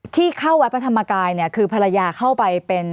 ที่เข้าวัดพระธรรมกายเนี่ยคือภรรยาเข้าไปเป็น